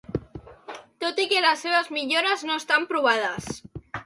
Tot i que les seves millores no estan provades.